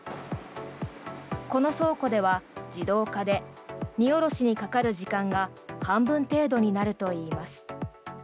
この倉庫では自動化で荷下ろしにかかる時間が半分程度になるといいます。